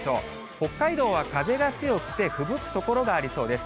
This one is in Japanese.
北海道は風が強くてふぶく所がありそうです。